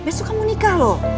besok kamu nikah loh